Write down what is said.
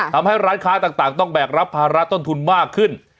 ทำให้ร้านค้าต่างต้องแบกรับภาระต้นทุนมากขึ้น